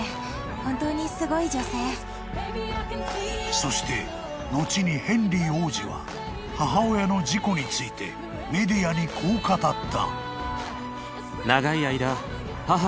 ［そして後にヘンリー王子は母親の事故についてメディアにこう語った］